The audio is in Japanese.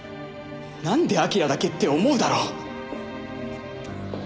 なんで彬だけって思うだろ！